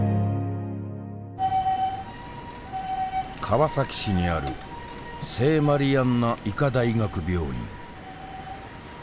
川崎市にある聖マリアンナ医科大学病院。